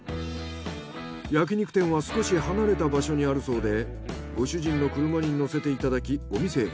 焼き肉店は少し離れた場所にあるそうでご主人の車に乗せていただきお店へ。